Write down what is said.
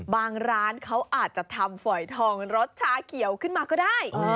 ร้านเขาอาจจะทำฝอยทองรสชาเขียวขึ้นมาก็ได้